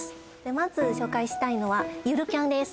まず紹介したいのは「ゆるキャン△」です